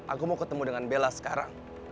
aku mau ketemu dengan bella sekarang